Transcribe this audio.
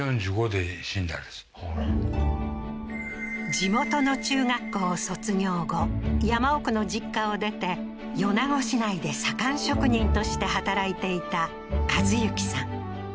地元の中学校を卒業後山奥の実家を出て米子市内で左官職人として働いていた和之さん